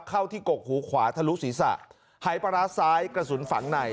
เข้าที่กกหูขวาทะลุศีรษะหายปลาร้าซ้ายกระสุนฝังใน